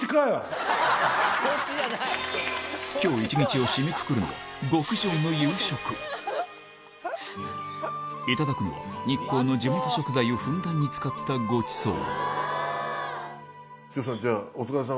今日一日を締めくくるのは極上のいただくのは日光の地元食材をふんだんに使った長州さん